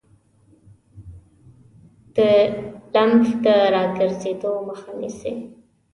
د لمف د راګرځیدو مخه نیسي.